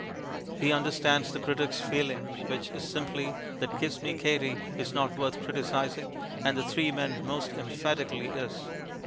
He understands the critic's feeling, which is simply that Kiss Me, Katie, is not worth criticizing, and that Three Men most emphatically is.